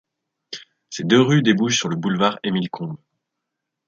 Ces deux rues débouchent sur le boulevard Émile Combes.